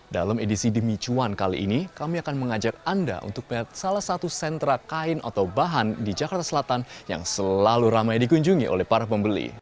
dalam edisi demi cuan kali ini kami akan mengajak anda untuk melihat salah satu sentra kain atau bahan di jakarta selatan yang selalu ramai dikunjungi oleh para pembeli